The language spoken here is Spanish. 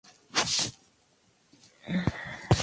Martin Chapman fue su mayor hermano.